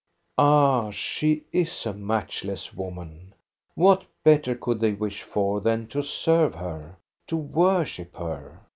Ah, she is a matchless woman ! What better could they wish for than to serve her, to worship her?